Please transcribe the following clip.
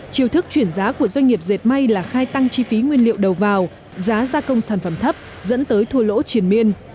chiều thức chuyển giá của doanh nghiệp dệt may là khai tăng chi phí nguyên liệu đầu vào giá gia công sản phẩm thấp dẫn tới thua lỗ triển miên